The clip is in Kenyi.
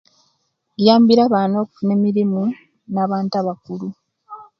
Kiyambire abaana okufuna emirimu na bantu abakulu